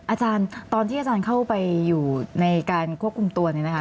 อาจารย์ตอนที่อาจารย์เข้าไปอยู่ในการควบคุมตัวเนี่ยนะคะ